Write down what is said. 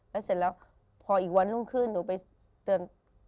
แล้วเสร็จแล้วพออีกวันรุ่งขึ้นหนูไปเตือน